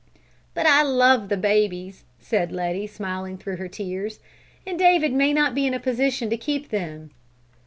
'" "But I love the babies," said Letty smiling through her tears, "and David may not be in a position to keep them."